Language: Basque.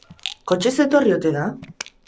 Kotxez etorri ote da?